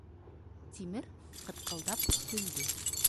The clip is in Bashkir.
— Тимер ҡытҡылдап көлдө.